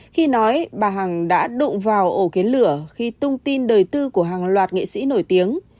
khi nói bà hằng đã đụng vào ổ kiến lửa khi tung tin đời tư của hàng loạt nghệ sĩ nổi tiếng